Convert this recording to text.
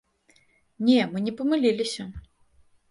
Не, мы не памыліліся.